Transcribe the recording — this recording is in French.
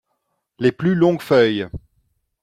Les plus longues feuilles.